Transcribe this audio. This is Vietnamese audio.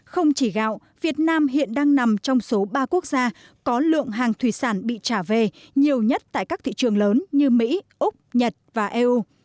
không chỉ gạo việt nam hiện đang nằm trong số ba quốc gia có lượng hàng thủy sản bị trả về nhiều nhất tại các thị trường lớn như mỹ úc nhật và eu